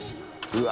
うわ。